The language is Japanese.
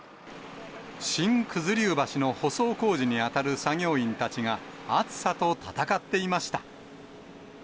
新九頭竜橋の舗装工事に当たる作業員たちが、暑さと闘っていました。